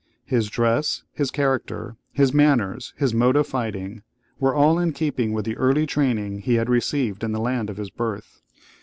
His dress, his character, his manners, his mode of fighting, were all in keeping with the early training he had received in the land of his birth.